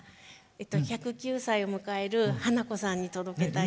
１０９歳を迎えるはなこさんに届けたいです。